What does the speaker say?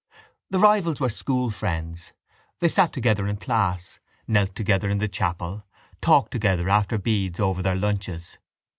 The rivals were school friends. They sat together in class, knelt together in the chapel, talked together after beads over their lunches.